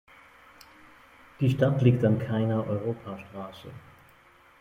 Die Stadt liegt an keiner Europastraße.